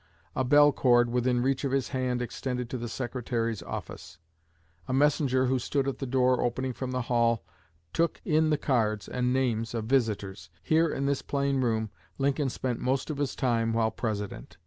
A bell cord within reach of his hand extended to the Secretary's office. A messenger who stood at the door opening from the hall took in the cards and names of visitors. Here, in this plain room, Lincoln spent most of his time while President.